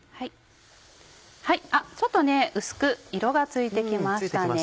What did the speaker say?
あっちょっとね薄く色がついて来ましたね。